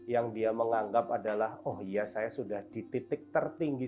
yang dia menganggap adalah oh iya saya sudah di titik tertinggi